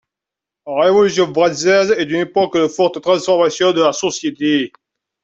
La Révolution française est une époque de forte transformation de la société.